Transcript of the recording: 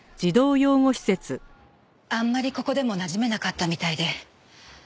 あんまりここでもなじめなかったみたいで。